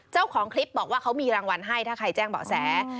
เจ้าของคลิปบอกว่าเขามีรางวัลให้ถ้าใครแจ้งเบาะแส